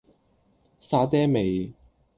沙嗲味